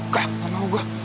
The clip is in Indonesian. gak gak mau gue